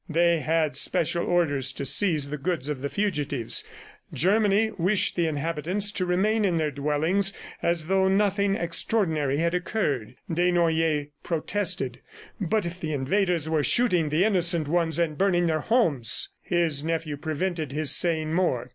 They had special orders to seize the goods of the fugitives. Germany wished the inhabitants to remain in their dwellings as though nothing extraordinary had occurred. ... Desnoyers protested. ... "But if the invaders were shooting the innocent ones and burning their homes!" ... His nephew prevented his saying more.